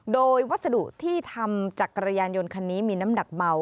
โดยวัสดุที่ทำจากกระยานยนต์คันนี้มีน้ำหนักเมา